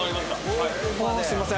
はいすいません